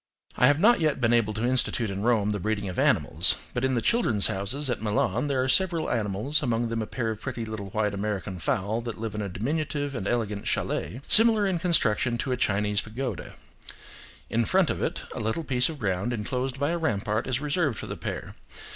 I have not yet been able to institute in Rome the breeding of animals, but in the "Children's Houses" at Milan there are several animals, among them a pair of pretty little white American fowl that live in a diminutive and elegant chalet, similar in construction to a Chinese pagoda: in front of it, a little piece of ground inclosed by a rampart is reserved for the pair.